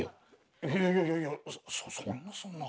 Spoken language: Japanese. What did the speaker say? いやいやいやいやそそんなそんな。